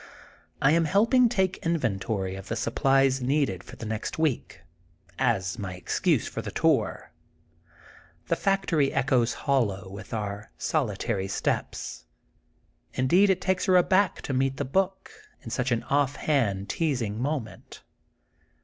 I am helping take inven tory of the supplies needed for the next week, as my excuse for the tour. The factory echoes hollow with our solitary steps. Indeed it takes her aback to meet the book in such an off hand, teasing moment.